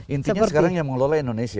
intinya sekarang yang mengelola indonesia